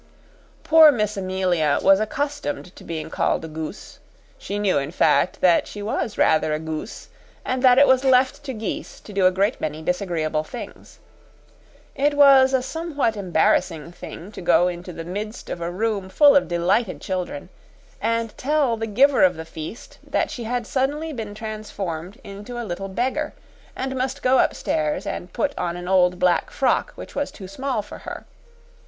Poor Miss Amelia was accustomed to being called a goose. She knew, in fact, that she was rather a goose, and that it was left to geese to do a great many disagreeable things. It was a somewhat embarrassing thing to go into the midst of a room full of delighted children, and tell the giver of the feast that she had suddenly been transformed into a little beggar, and must go upstairs and put on an old black frock which was too small for her.